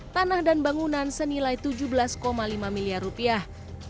tanah dan bangunan senilai tujuh belas lima miliar rupiah